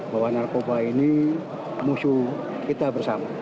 bahwa narkoba ini musuh kita bersama